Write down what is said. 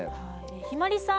ひまりさん